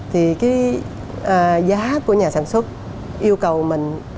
thì cái giá của nhà sản xuất yêu cầu mình